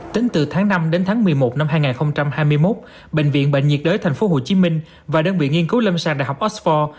tính từ tháng năm đến tháng một mươi một năm hai nghìn hai mươi một bệnh viện bệnh nhiệt đới tp hcm và đơn viện nghiên cứu lâm sàng đh oxford